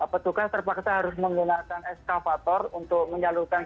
petugas terpaksa harus menggunakan eskavator untuk menyalurkan